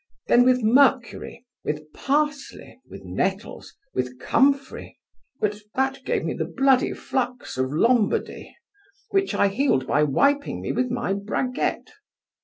Then with mercury, with parsley, with nettles, with comfrey, but that gave me the bloody flux of Lombardy, which I healed by wiping me with my braguette.